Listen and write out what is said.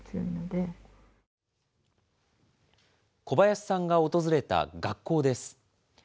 小林さんが訪れた学校です。